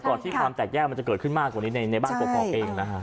ที่ความแตกแยกมันจะเกิดขึ้นมากกว่านี้ในบ้านกรกภเองนะฮะ